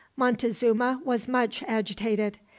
Montezuma was much agitated.